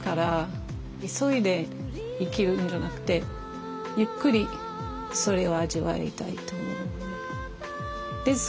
急いで生きるんじゃなくてゆっくりそれを味わいたいと思うね。